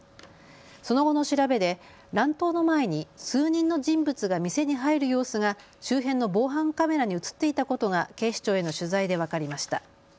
その後の調べで乱闘の前に数人の人物が店に入る様子が周辺の防犯カメラに写っていたことが警視庁への取材で分かりました。